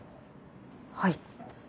はい。